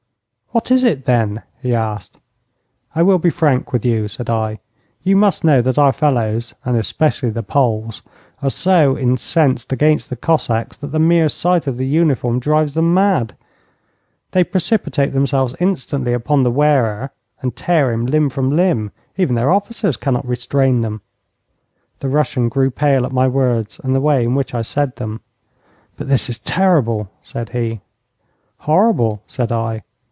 'What is it, then?' he asked. 'I will be frank with you,' said I. 'You must know that our fellows, and especially the Poles, are so incensed against the Cossacks that the mere sight of the uniform drives them mad. They precipitate themselves instantly upon the wearer and tear him limb from limb. Even their officers cannot restrain them.' The Russian grew pale at my words and the way in which I said them. 'But this is terrible,' said he. 'Horrible!' said I.